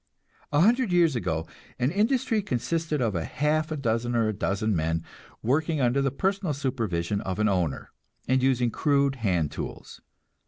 A hundred years ago an industry consisted of a half a dozen or a dozen men, working under the personal supervision of an owner, and using crude hand tools.